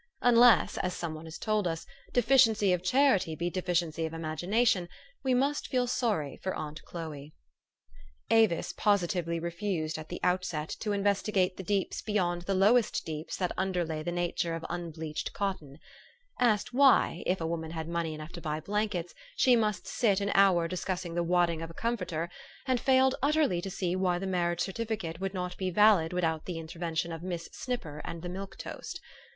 Unless, aa some one has told us, deficiency of charity be defi ciency of imagination, we must feel sorry for aunt Chloe. Avis positively refused, at the outset, to investi gate the deeps beyond the lowest deeps that under lay the nature of unbleached cotton ; asked why, if a woman had money enough to buy blankets, she must sit an hour discussing the wadding of a com forter ; and failed utterly to see why the marriage certificate w r ould not be valid without the interven tion of Miss Snipper and the milk toast.